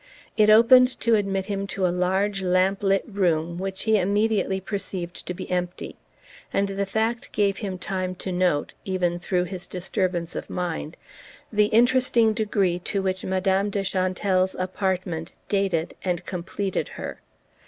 It opened to admit him to a large lamp lit room which he immediately perceived to be empty; and the fact gave him time to note, even through his disturbance of mind, the interesting degree to which Madame de Chantelle's apartment "dated" and completed her.